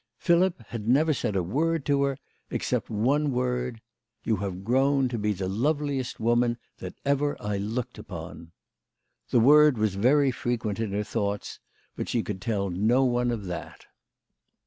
Philip had never said a word to her, except that one word :" You have grown to be the loveliest woman that ever I looked upon." The word was very fre quent in her thoughts, but she could tell no one of that